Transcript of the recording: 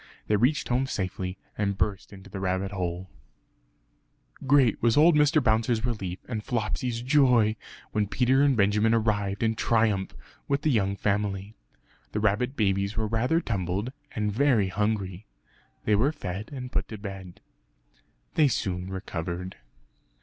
They reached home safely and burst into the rabbit hole. Great was old Mr. Bouncer's relief and Flopsy's joy when Peter and Benjamin arrived in triumph with the young family. The rabbit babies were rather tumbled and very hungry; they were fed and put to bed. They soon recovered.